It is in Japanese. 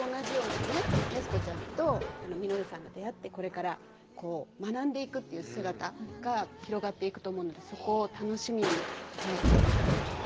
安子ちゃんと稔さんが出会ってこれからこう学んでいくっていう姿が広がっていくと思うのでそこを楽しみに見ていただきたいです。